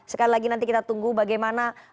sekali lagi nanti kita tunggu bagaimana